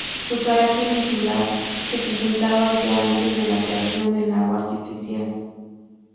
Su carácter insular se presentaba ya antes de la creación del lago artificial.